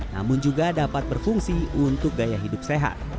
namun juga dapat berfungsi untuk gaya hidup sehat